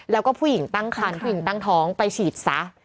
แล้วก็ผู้หญิงตั้งคันผู้หญิงตั้งท้องไปฉีดซะ